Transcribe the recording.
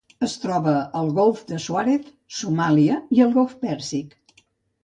Es troba al Golf de Suez, Somàlia i el Golf Pèrsic.